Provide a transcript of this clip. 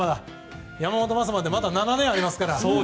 山本昌までまだ７年ありますから。